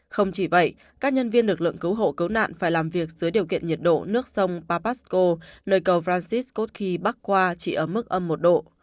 không chỉ vậy các nhân viên lực lượng cứu hộ cấu nạn phải làm việc dưới điều kiện nhiệt độ nước sông papasco nơi cầu branciscoti bắc qua chỉ ở mức âm một độ